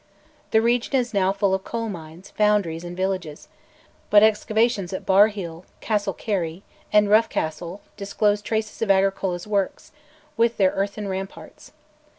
The region is now full of coal mines, foundries, and villages; but excavations at Bar Hill, Castlecary, and Roughcastle disclose traces of Agricola's works, with their earthen ramparts.